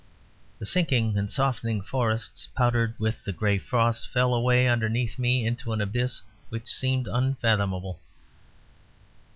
The sinking and softening forests, powdered with a gray frost, fell away underneath me into an abyss which seemed unfathomable.